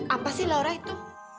apa sih laura itu